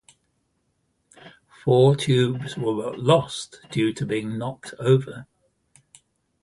Four tubes were lost due to being knocked over.